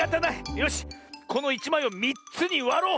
よしこの１まいを３つにわろう！